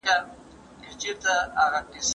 ټولنې ته ستنېدل مهم دي.